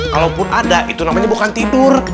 kalaupun ada itu namanya bukan tidur